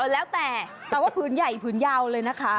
แล้วแต่แต่ว่าผืนใหญ่ผืนยาวเลยนะคะ